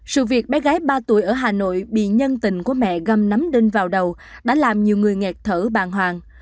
sự việc bé gái ba tuổi ở hà nội bị nhân tình của mẹ găm nắm đinh vào đầu đã làm nhiều người ngạt thở bàng hoàng